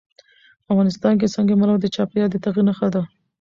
افغانستان کې سنگ مرمر د چاپېریال د تغیر نښه ده.